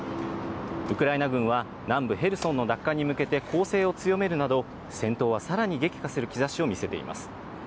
ウクライナ軍は、南部ヘルソンの奪還に向けて攻勢を強めるなど、戦闘はさらに激化する兆しを見せています。